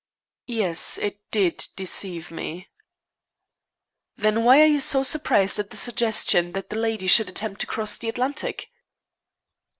"Yes. It did deceive me." "Then why are you so surprised at the suggestion that the lady should attempt to cross the Atlantic?"